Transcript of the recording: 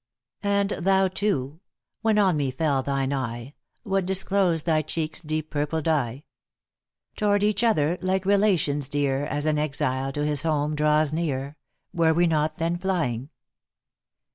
* And thou, too when on me fell thine eye, What disclos'd thy cheek's deep purple dye? Tow'rd each other, like relations dear, As an exile to his home draws near, Were we not then flying?